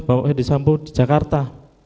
bapak fethi sambo di jakarta